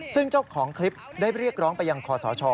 ซึ่งเจ้าของคลิปได้เรียกร้องไปยังคอสช